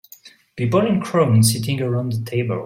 People in crowns sitting around the table.